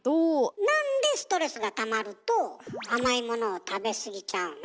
なんでストレスがたまると甘いものを食べ過ぎちゃうの？